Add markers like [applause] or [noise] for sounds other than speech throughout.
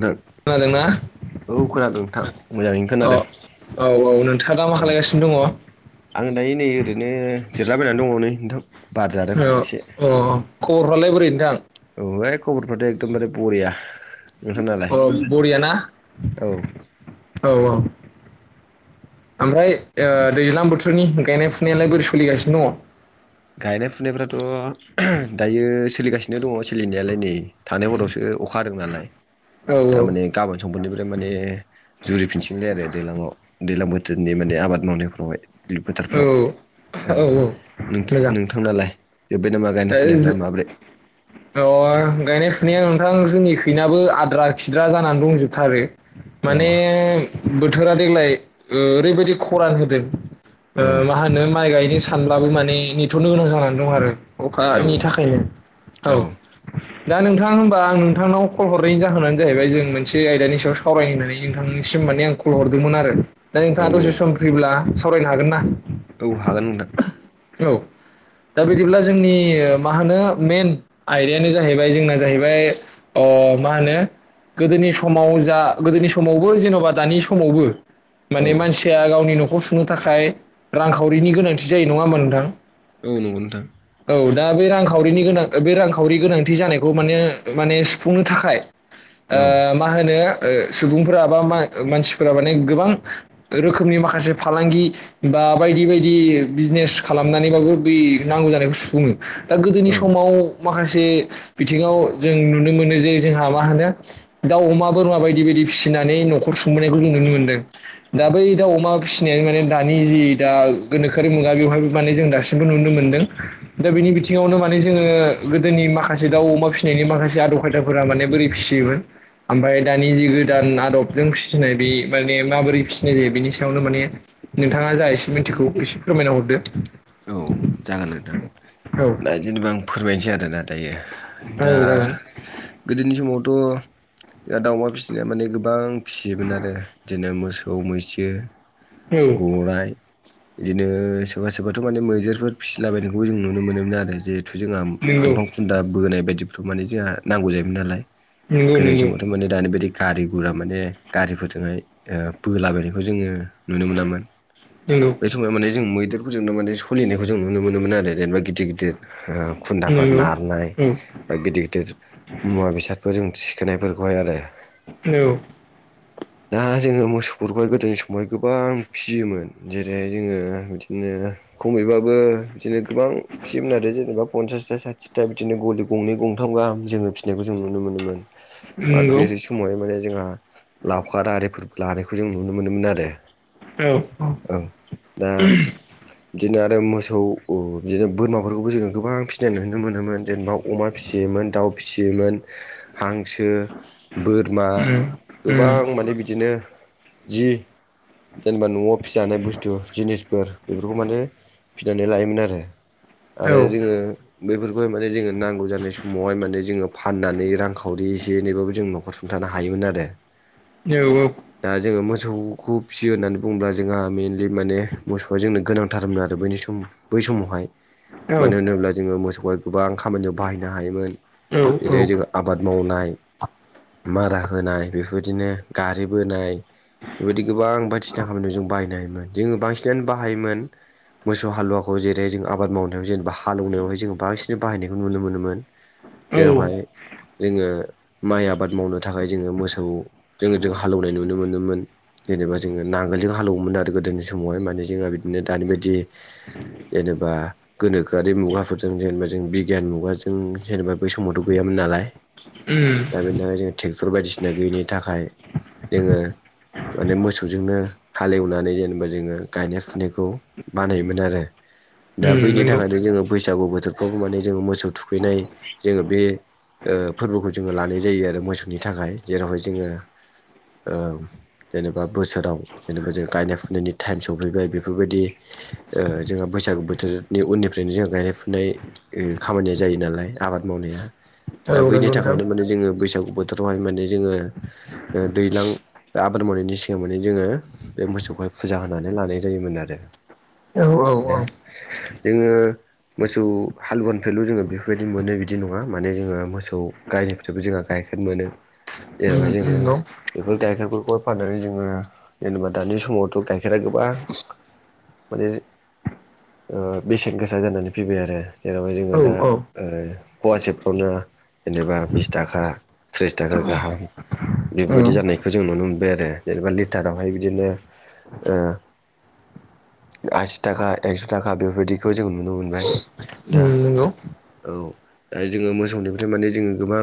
नोंथां खोनादोंना? औ खोनादों नोंथां मोजाङैनो अ खोनादों औ औ नोंथाङा दा मा औ खालायगासिनो दङ? आं दायो नै ओरैनो जिरायलाबायनानै दङ नै नोंथां बार जादों एसे। फ्रालाय बोरै नोथां? औ इ खबरफ्राथ' एखदमबारे बरिया। नोंथांनालाय? अ बरिया ना औ औ औ। ओमफ्राय ओ दैज्लां बोथोरनि गायनाय फुनायालाय बोरै सलिगासिनो दङ? गायनाय फुनायफ्रा थ' दायो सोलिगासिनो दङ सोलिनायालाय नै थांनाय हरावसो अखा हादों नालाय। औ दामाने औ गाबोन समफोरनिफ्राय माने जुरिफिनसिगोनलाय आरो दैलाङाव दैलां बो थोरनि माने आबाद मावनायफ्रावहाय फोथारफ्राव औ। नोंथां-नोंथांनालाय? दा इज ओ गायनाय फुनाया नोंथां जोंनि खैनाबो आद्रा खिद्रा जानानै दंजोबथारो अ माने बोथोरा देग्लाय ओरैबायदि खरान होदों औ ओ मा होनो माइ गाय नो सानब्लाबो माने नेथ'नो गोनां जानानै दं आरो। अखानि औ थाखायनो औ। दा नोंथां होनबा आं नोंथांनाव कल हरनायनि जाहोनानो जाहैबाय जों मोनसे आयदानि सायाव सावरायनो होननानै नोंथांनिसिम माने आं कल हरदोंमोन आरो। दा औ नोंथाङा औ दसे सम फ्रिब्ला सावरायनो हागोन ना? औ हागोन नोंथां। औ दा औ बिदिब्ला जोंनि मा होनो मेन आयदायानो जाहैबाय जोंना जाहैबाय ओ मा होनो गोदोनि समाव जा गोदोनि समावबो जेन'बा दानि समावबो औ माने मानसिया गावनि न'खौ सुनो थाखाय रांखावरिनि गोनांथि जायो नङा होमबा नोंथां। औ नंगौ नोंथां। औ दा बे रांखावरिनि गोनां बे रांखावरि गोनांथि जानायखौ माने माने सुफुंनो थाखाय औ ओ मा होनो ओ सुबुंफोरा बा मानसिफोरा माने गोबां रोखोमनि माखासे फालांगि बा बायदि बायदि बिजिनेस खालामनानैबाबो बै नांगौ जानायखौ सुफुङो। दा गोदोनि औ समाव माखासे बिथिङाव जों नुनो मोनो जे जोंहा मा होनो, दाउ अमा बोरमा बायदि बायदि फिसिनानै न'खर सुंबोनायखौ जों नुनो मोनदों औ दा बै दा अमा फिसिनाय माने दानि जि दा गोनोखोआरि मुगा बेवहायबो माने जों दासिमबो नुनो मोनदों दा औ बिनि बिथिङावनो माने जोङो गोदोनि माखासे दाउ अमा फिसिनायनि माखासे आदब खायदाफोरा माने बोरै फिसियोमोन ओमफ्राय दानि जि गोदान आदबजों फिसिनाय बे माने माबोरै फिसिनाय जायो बिनि सायावनो माने नोंथाङा जा एसे मिन्थिगौ एसे फोरमायना हरदो। औ जागोन नोंथां औ औ दा जेनेबा आं फोरमायनोसै आरोना दायो दा जागोन औ गोदोनि समावथ' दा दाउमा फिसिनाया माने गोबां फिसियोमोन आरो बिदिनो मोसौ मैसो गराइ बिदिनो सोरबा सोरबाथ' माने मैदेरफोर फिसिलाबायनायखौबो जों नुनो मोनोमोन आरो जिहेथु जोंहा नंगौ दंफां खुन्दा बोनाय बायदिफ्राव माने जोंहा नांगौ जायोमोन नालाय। नंगौ गोदोनि नंगौ नंगौ समावथ' माने दानि बादि गारि गुरा माने गारिफोरजोंहाय ओ बोलाबनायखौ जोङो नुनो मोनामोन बै समाव माने जों मै जोंनो माने सलिनायखौ जों नुनो मोनो मोन आरो जेनेबा गिदिर गिदिर। ओ खुन्दाफोर नारनाय औ औ नंगौ बा गिदिर गिदिर मुवा बेसादफोर जों थिखोनायफोरखौ हाय आरो। औ। दा जोङो मोसौफोरखौहाय गोदोनि समावहाय गोबां फिसियोमोन जेरैहाय जोङो बिदिनो ओ खमैबाबो बिदिनो गोबां फिसिमोन आरो जेनेबा पन्सासथा साथिथा बिदिनो गलि गंनै गंथाम गाहाम जोङो फिसिनायखौ जों नुनो मोनोमोन आरो बे समावहाय माने जोंहा गारिफोर लानायखौ जों नुनो मोनोमोन आरो। औ औ दा बिदिनो आरो आरो मोसौ बिदिनो बोरमाफोरखौबो जोङो गोबां फिसिनाय नु नुनो मोनोमोन जेनेबा अमा फिसियोमोन दाउ फिसियोमोन। हांसो बोरमा उम उम गोबां माने बिदिनो जि जेनेबा न'आव फिसाानाय बुस्थु जिनिसफोर बेफोरखौ माने फिनानै लायोमोन आरो। आरो औ औ जोङो बेफोरखौहाय माने जोङो नांगौ जानाय समावहाय माने जोङो फाननानै रांखावरि एसे एनैबाबो जों न'खर सुंथानो हायोमोन आरो। औ औ। ओ मोसौखौ फिसियो होननानै बुङोब्ला जोंहा मेइेनलि माने मोसौआ जोंनो गोनां थारमोन आरो बैनि सम बै समावहाय औ मानो होनोब्ला जोङो मोसौ गोबां खामानियाव बाहायनो हायोमोन औ जेरै जों आबाद मावनाय मारा होनाय बेफोरदिनो गारि बोनाय बेबायदि गोबां बायदिसिना खामानियाव जों बाहायनो हायोमोन जोङो बांसिनानो बाहायोमोन। मोसौ हालुवाखौ जेरै जों आबाद मावनायाव जेनेबा हालौनायावहाय जोङो बांसिन बाहायनायखौ नुनो मोनोमोन औ जेरावहाय जोङो माइ आबाद मावनो थाखाय जोङो मोसौ जोङो जों हालेवनाय नुनो मोनोमोन। जेनेबा जोङो नांगोलजों हालेवोमोन आरो गोदोनि समावहाय माने जोंहा बिदिनो दानि बायदि। जेनेबा गोनोखोआरि मुगाफोरजों जेनेबा जों बिगियान मुगाजों जेनेबा बै समावथ' गैयामोन नालाय उम दा बेनि थाखाय जों ट्रेक्टर बायदिसिना गैयिनि थाखाय जोङो माने मोसौजोंनो हालेवनानै जेनेबा जोङो गायनाय फुनायखौ बानायोमोन आरो। दा उम बैनि नंगौ थाखायनो जोङो बैसागु बोथोरखौ माने जोङो मोसौ थुखैनाय जोङो बे ओ फोरबोखौ जोङो लानाय जायो आरो मोसौनि थाखाय जेरावहाय जोङो। ओ जेनेबा बोसोराव जेनेबा जों गायनाय फुनायनि टाइम सफैबाय बेफोरबायदि। ओ जोंहा बैसागो बोथोरनि उननिफ्रायनो जोंहा गायनाय फुनाय ओ खामानिया जायो नालाय। आबाद मावनाया दा औ बैनि नंगौ नोंथां थाखायनो माने जोङो बैसागु बोथोरावहाय माने जोङो। ओ दैज्लां आबाद मावनायनि सिगां माने जोङो बे मोसौखौहाय फुजा होनानै लानाय जायोमोन आरो। औ औ औ जोङो मोसौ हालुवानिफ्रायल' जोङो बेफोरबायदि मोनो बिदि नङा माने जोङो मोसौ गायनिफ्रायबो जोंहा गाय [unintelligible] मोनो। जेरावहाय उम जोङो उम न बेफोर गाइखेरफोरखौ फाननानै जोङो जेनेबा दानि समावथ' गाइखेरा गोबां माने बेसेन गोसा जानानै फैबाय आरो जेरावहाय जोङो दा औ औ ओ फवासेफ्रावनो जेनेबा बिस थाखा थ्रिस थाखा गाहाम बेफोरबायदि उम जानायखौ जों नुनो मोनबाय आरो जेनेबा लिटारावहाय बिदिनो। ओ आसि तागा एक्स तागा बेफोरबायदिखौ जों नुनो मोनबाय दा उम नंगौ औ दा जोङो मोसौनिफ्राय माने जोङो गोबां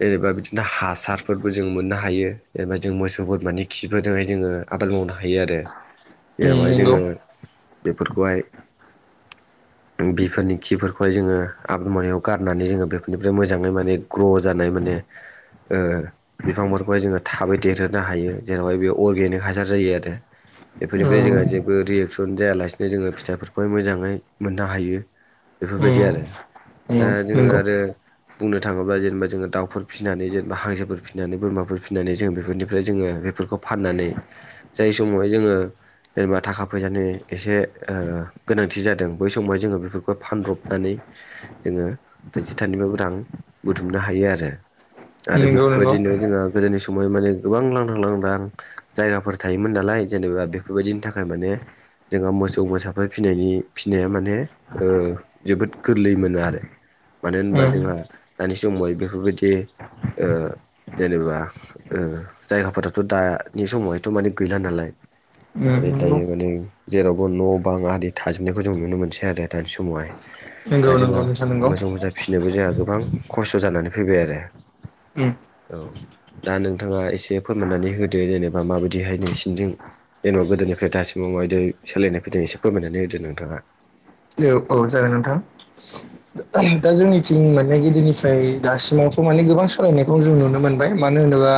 जेनेबा बिदिनो हासार खिफोरबो जों मोननो हायो जेनेबा जों मोसौ बोरमानि खिफोरजोंहाय जोङो आबाद मावनो हायो आरो उम जेरावहाय नंगौ जोङो बेफोरखौहाय बिफोरनि खिफोरखौहाय जोङो आब मावनायाव गारनानै जोङो बेफोरनिफ्राय मोजाङै माने ग्र' जानाय माने ओ बिफांफोरखौहाय जोङो थाबै देरहोनो हायो जेरावहाय बे अर्गेनिक हासार जायो आरो बेफोरनिफ्राय उम जोंहा जेबो रियेकसन जायालासिनो जोङो फिथाइफोरखौहाय मोजाङै मोननो हायो। बेफोरबायदि उम आरो दा उम जोङो नंगौ आरो बुंनो थाङोब्ला जेनेबा जोङो दाउफोर फिसिनानै जेनेबा हांसोफोर फिसिनानै बोरमाफोर फिनानै जों बेफोरनिफ्राय जोङो बेफोरखौ फाननानै जाय समावहाय जोङो जेनेबा थाखा फैसानि एसे गोनांथि जादों बै समावहाय जोङो बेफोरखौ फानब्रबनानै जोङो नैजिथानिबो रां बुथुमनो हायो आरो आरो नंगौ नंगौ बेफोरबायदिनो जोङो गोदोनि सम समै माने गोबां लांदां लांदां जायगाफोर थायोमोन नालाय जेनेबा बेफोरबायदिनि थाखाय माने जोंहा मोसौ मोसाफोर फिनायनि फिसिनाया माने जोबोद गोरलै मोनो आरो मानो होनबा उम जोंहा दानि समावहाय बेफोरबायदि जेनेबा जायगाफोराथ' दानि समावहायथ' माने गैला नालाय। उम आरो नंगौ दायो माने जेरावबो न' बां आरि थाजोबनायखौ जों नुनो मोनसै आरो दानि समावहाय दा नंगौ जोंहा नंगौ नोंथां नंगौ मोजां मोजां फिसिनोबो जाया। गोबां खस्थ' जानानै फैबाय आरो उम औ दा नोंथाङा एसे फोरमायनानै होदो जेनेबा माबायदिहाय नोंसिनिजों? जेनेबा गोदोनिफ्राय दासिमाव मायदि सोलायनाय फैदोंनाय एसे फोरमायनानै होदों नोंथाङा औ औ जागोन नोंथां औ दा जोंनिथिं मान नाय गिदिरनिफ्राय दासिमावथ' माने गोबां सोलायनायखौ जों नुनो मोनबाय मानो होनोबा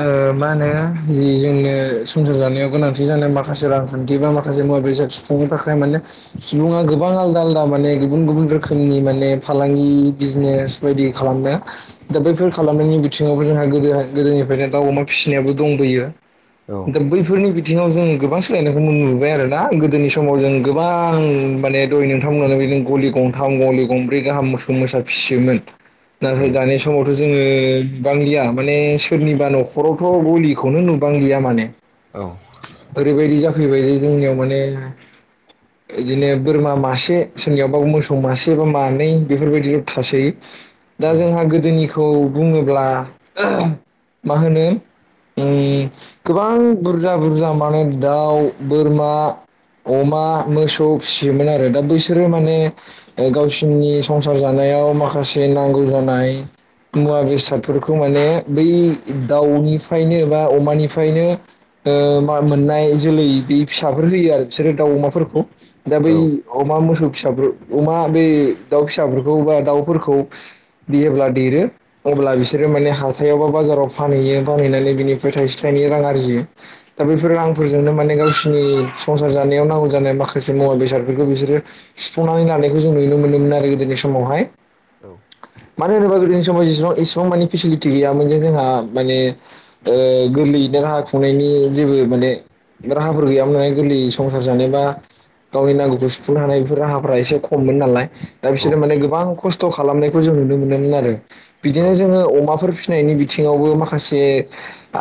ओ मा होनो जि जोंनो संसार जानायाव गोनांथि जानाय माखासे रांखान्थि बा माखासे मुवा सुफुंनो थाखाय माने सुबङा गोबां आलदा आलदा माने गुबुन गुबुन रोखोमनि माने फालांगि बिजनेस बायदि खालाम। दा बैफोर खालामनायनि बिथिङावबो जोंहा गोदो गोदोनिफ्रायनो दाउ अमा फिसिनायाबो दंबोयो। औ दा बैफोरनि बि बिथिङाव जों गोबां सोलायनायखौ नुबाय आरोना गोदोनि समाव जों गोबां माने दय नोंथांमोन बिदिनो गलि गंथाम गलि गंब्रै गाहाम मोसौ मोसा फिसियोमोन। औ नाथाय दानि समावथ' जोङो बि बांलिया माने सोरनिबा न'खरावथ' गलिखौनो नु बांलिया माने औ ओरैबायदि जाफैबायलै जोंनियाव माने बिदिनो बोरमा मासे सोरनियावबा मोसौ मासे बा मानै बेफोरबायदिल' थासै दा औ जोंहा गोदोनि खौ बुङोब्ला मा होनो गोबां बुरजा बुरजा माने दाउ बोरमा अमा मोसौ फिसियोमोन आरो दा बैसोरो माने गावसोरनि संसार जानाय बेयाव माखासे नांगौ जानाय मुवा बेसादफोरखौ माने बै दाउनिफ्रायनो बा अमानिफ्रायनो ओ मा मोननाय जोलै बे फिसाफोर होयो आरो बिसोरो दाउ अमाफोरखौ दा बै औ अमा मोसौ फिसा अमा बे दाउ फिसाफोरखौ बा दाउफोरखौ बियोब्ला देरो अब्ला बिसोरो माने हाथायाव बा बाजाराव फानहैयो फानहैनानै बिनिफ्राय थाइसे थाइनै नि रां आरजियो दा बेफोर रांफोरजोंनो माने गावसिनि संसार जानायाव नांगौ जानाय माखासे मुवा बेसादफोरखौ बिसोरो सुफुंनानै लानायखौ जों नुनो मोनोमोन आरो गोदोनि समावहाय औ मानो होनोबा गोदोनि समाव जेसेबां एसेबां माने फेसिलिटि गैयामोन जे जोंहा माने ओ गोरलैयैनो राहा खुंनायनि जेबो माने राहाफोर गैयामोन नालाय गोरलै संसार जानाय बा गावनि नांगौखौ सुफुंनो हानाय बेफोर राहाफ्रा एसे खममोन नालाय दा औ बिसोरनो माने गोबां खस्थ' खालामनायखौ जों नुनो मोनदोंमोन आरो बिदिनो जोङो अमाफोर फिसिनायनि बिथिङावबो माखासे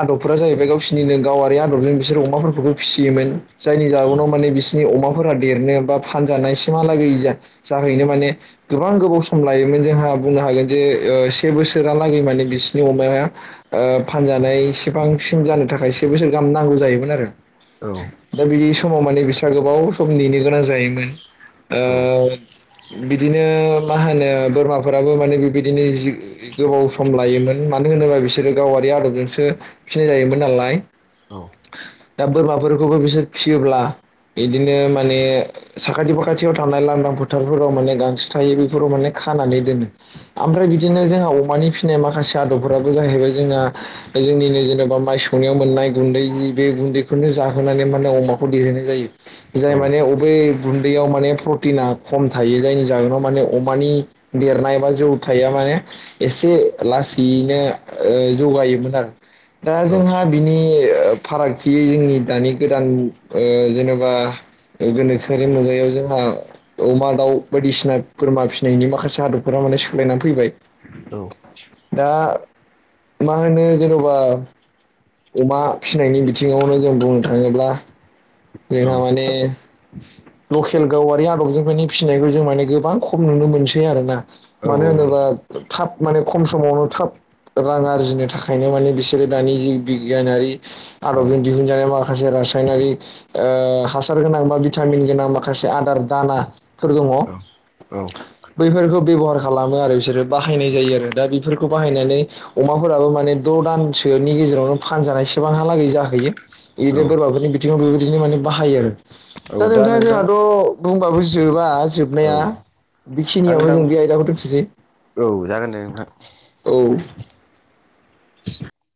आदबफोरा जाहैबाय गावसि निनो गावआारि आदबजों बिसोर अमाफोरखौबो फिसियोमोन जायनि औ जाहोनाव माने बिसिनि अमाफोरा देरनो बा फानजानायमहालाग जाहैनो माने गोबां गोबाव सम लायोमोन जोंहा बुंनो हागोन जे ओ से बोसोरहालागै माने बिसिोरनि अमाया फानजानाय सेबांसिम जानो थाखाय से बोसोर गाहाम नांगौ जायोमोन आरो औ दा बि समाव माने बिसोर गोबाव सम नेनो गोनां जायोमोन औ ओ बिदिनो मा होनो बोरमाफोराबो माने बेबायदिनो जि गोबाव सम लायोमोन मान होनोबा बिसोरो गावारि आदबजोंसो फिनाय जायोमोन नालाय दा बोरमाफोरखौबो बिसोर फिसियोब्ला इदिनो माने साखाथि फाखाथियाव थानाय लांदां फोथारफोराव माने गांसो थायो बेफोराव माने खानानै दोनो ओमफ्राय बिदिनो जोंहा अमानि फिसिनाय माखासे आदबफोराबो जाहैबाय जोंना जोंनिनो जेनेबा माइ सौनायाव मोननाय गुन्दै जि बे गुन्दैखौनो जाहोनानै माने अमाखौ देरहोनाय जायो जाय माने अबे दैयाव माने प्रटिना खम थायो जायनि जाहोनाव माने अमानि देरनाय एबा जौ थाया माने एसे लासैयैनो ओ जौगायोमोन आरो दा जोंहा फारागथि जोंनि दानि गोदान ओ जेनेबा गोनोखोआरि मुगायाव जोंहा अमा दाउ बायदिसिना बोरमा फिसिनायनि माखासे आदबफोरा माने सोलायनानै फैबाय दा मा होनो जेनबा अमा फिनायनि बिथिङावनो जों बुंनो थाङोब्ला जोंहा माने लकेल गावारि आदबजों माने फिसिनायखौ जों माने गोबां खम नुनो मोनसै आरोना मानो होनोबा थाब माने खम समावनो थाब रां आरजिनो थाखायनो माने बिसोरो दानि जि बिगियानारि आदबजों दिहुन जानाय माखासे रासायनारिक ओ हासार गोनां बा भिटामिन गोनां माखासे आदार दाना फोर दङ बैफोरखौ बेब'हार खालामो आरो बिसोरो बाहायनाय जायो आरो दा बेफोरखौ बाहायनानै अमाफोराबो माने द' दानसोनि गेजेरावनो फानजानायसेबांहालागै जाखैयो औ बिदिनो बोरमाफोरनि बिथिङाव बेबायदिनो माने बाहायो आरो औ दा नोंथाङा नोंथां जोंहाथ' बुंबाबो जोबा औ जोबनाया। दा बेखिनियावनो नोंथां जों बे आयदाखौ दोनथ'सै। औ- जागोन दे नोंथां औ [inaudible]